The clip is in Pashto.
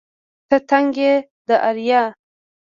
ته ننگ يې د اريا